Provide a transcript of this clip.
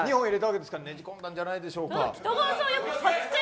ですから、ねじ込んだんじゃないでしょうか。